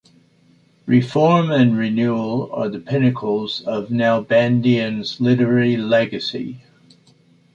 Reform and renewal are the pinnacles of Nalbandian's literary legacy.